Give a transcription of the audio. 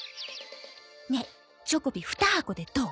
ねっチョコビ２箱でどう？